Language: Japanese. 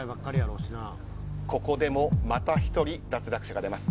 ここでもまた１人、脱落者が出ます。